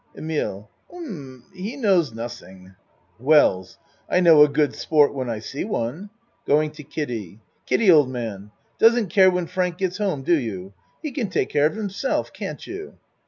EMILE Um he knows nossing. WELLS I know a good sport when I see one. (Going to Kiddie.) Kiddie, old man, doesn't care when Frank gets home, do you? He can take care of himself, can't you?